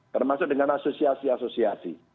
termasuk dengan asosiasi asosiasi